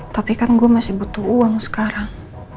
tapi kan gue masih butuh uang sekarang